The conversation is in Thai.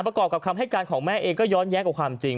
ประกอบกับคำให้การของแม่เองก็ย้อนแย้งกับความจริง